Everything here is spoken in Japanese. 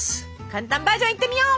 簡単バージョンいってみよう！